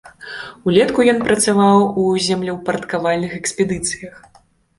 Улетку ён працаваў у землеўпарадкавальных экспедыцыях.